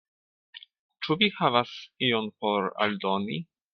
Ĉu vi havas ion por aldoni?